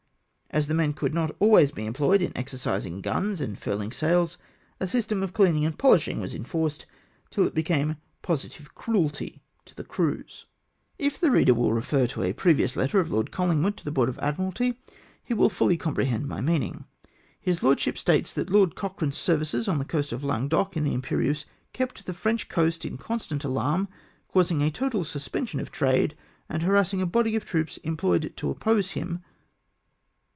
As the men could not always be employed in exercising guns and furhng sails, a system of cleaning and pohshing was enforced, tiU it became positive cruelty to the crews. 36fi MY rEI?vT'IPLES OF ACTION. If the reader will refer to a previous letter of Lord Collingwood to the Board of Admiralty, he will fully comprehend my meaning. His lordship states that Lord Cochrane's services on the coast of Languedoc in the Imjjerieuse "kept the French coast in con stant alarm, causing a total suspension of trade, and harassing a body of troops employed to oppose him.